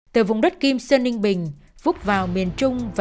từ vùng đất kim sơn ninh bình phúc vào miền trung